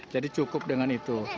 jadi cukup dengan itu